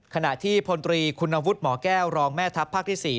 ขณะที่พลตรีคุณวุฒิหมอแก้วรองแม่ทัพภาคที่๔